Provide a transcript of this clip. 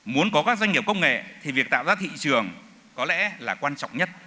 muốn có các doanh nghiệp công nghệ thì việc tạo ra thị trường có lẽ là quan trọng nhất